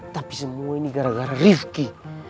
tapi semua ini gara gara rizki